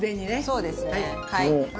そうですねはい。